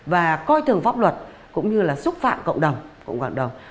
và coi thường pháp luật cũng như là xúc phạm cộng đồng